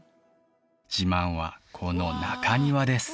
自慢はこの中庭です